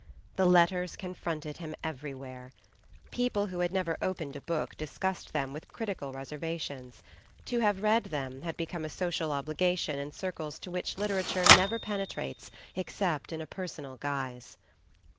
The "Letters" confronted him everywhere. People who had never opened a book discussed them with critical reservations; to have read them had become a social obligation in circles to which literature never penetrates except in a personal guise.